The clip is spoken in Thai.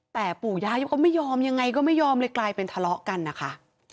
แต่ปู่ย้ายก็ไม่ยอมยังไงก็ไม่ยอมเลยกลายเป็นทะเลาะกันนะคะ